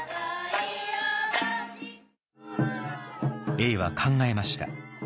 永は考えました。